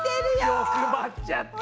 欲張っちゃった！